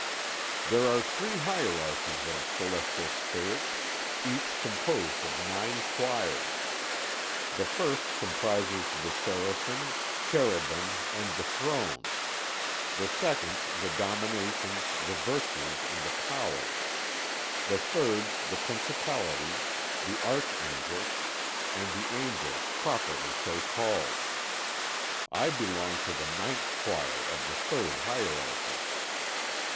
"There are three hierarchies of celestial spirits, each composed of nine choirs; the first comprises the Seraphim, Cherubim, and the Thrones; the second, the Dominations, the Virtues, and the Powers; the third, the Principalities, the Archangels, and the Angels properly so called. I belong to the ninth choir of the third hierarchy."